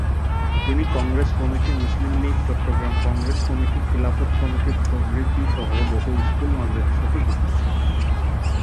তিনি Congress committee, Muslim League, Chittagong Congress committee, Khilafat committee প্রভৃতি সহ বহু স্কুল- মাদ্রাসার সাথে যুক্ত ছিলেন।